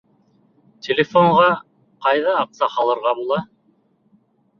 Телефонға ҡайҙа аҡса һалырға була?